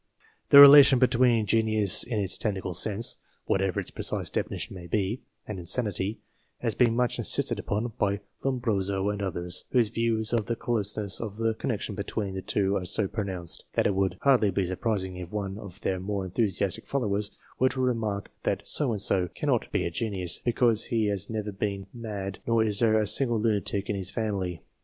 The relation between genius in its technical sense (whatever its precise definition may be) and insanity, has been much insisted upon by Lombroso and others, whose views of the closeness of the connection between the two are so pronounced, that it would hardly be surprising if one of their more enthusiastic followers were to remark that So and So cannot be a genius, because he has never been mad nor is there a single lunatic in his family.